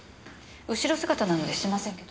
後ろ姿なのでしてませんけど。